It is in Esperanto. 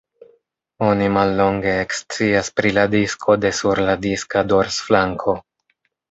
Oni mallonge ekscias pri la disko de sur la diska dorsflanko.